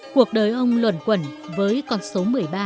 cuộc đời ông luẩn quẩn với con số một mươi ba